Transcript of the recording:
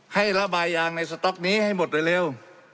ให้ระบายยางในสต๊อกนี้ให้หมดเร็ว